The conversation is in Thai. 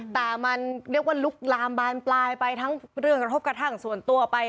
แต่มันเรียกว่าลุกลามบานปลายไปทั้งเรื่องกระทบกระทั่งส่วนตัวไป